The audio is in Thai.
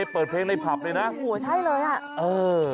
เปิดเพลงในผับเลยนะโอ้โหใช่เลยอ่ะเออ